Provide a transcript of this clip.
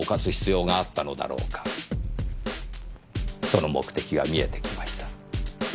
その目的が見えてきました。